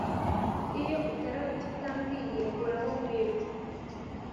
iyo utarabutse utambwiye mbura aho nkwirwa